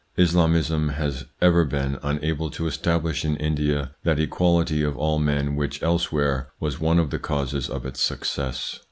Islamism has ever been unable to establish in India that equality of all men which elsewhere was one of the causes of its success.